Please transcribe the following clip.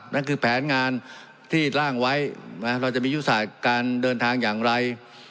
นั่นคือแผนงานที่ร่างไว้เราจะมียุทธศาสตร์การเดินทางอย่างไร